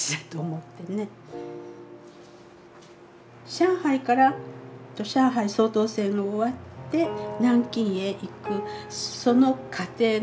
上海から上海掃討戦が終わって南京へ行くその過程のことですよね。